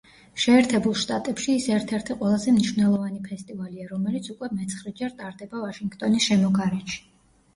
შეერთებულ შტატებში ის ერთ-ერთი ყველაზე მნიშვნელოვანი ფესტივალია, რომელიც უკვე მეცხრეჯერ ტარდება ვაშინგტონის შემოგარენში.